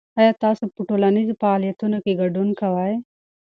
آیا تاسو په ټولنیزو فعالیتونو کې ګډون کوئ؟